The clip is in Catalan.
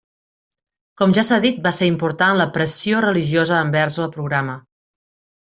Com ja s’ha dit, va ser important la pressió religiosa envers el programa.